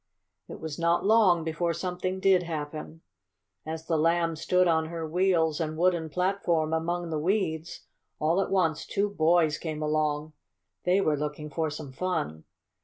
It was not long before something did happen. As the Lamb stood on her wheels and wooden platform among the weeds, all at once two boys came along. They were looking for some fun.